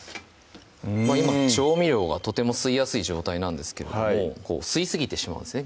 今調味料がとても吸いやすい状態なんですが吸いすぎてしまうんですね